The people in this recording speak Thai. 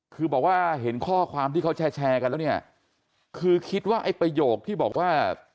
คือบอกว่าเห็นข้อความที่เขาแชร์กันแล้วเนี่ยคือคิดว่าไอ้ประโยคที่บอกว่า